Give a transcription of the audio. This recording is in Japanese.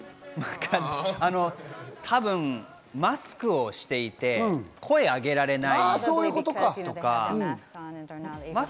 多分、マスクをしていて声をあげられないとか。